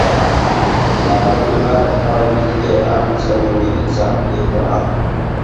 مەمەت ئۆمەر ئارىمىزدىكى، ئەڭ سەمىمىي ئىنسان ئېھتىمال.